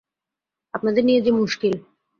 আপনাদের নিয়ে যে মুশকিল।